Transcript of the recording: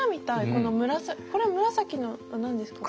これ紫のは何ですか？